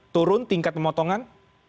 turun tingkat pemotongan